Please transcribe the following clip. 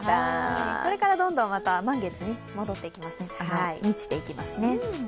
これからどんどん満月に戻っていきます、満ちていきます。